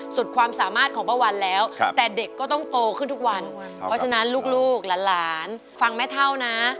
สุดความสามารถของป้าวันแล้วแต่เด็กก็ต้องโตขึ้นทุกวันเพราะฉะนั้นลูกหลานฟังแม่เท่านะ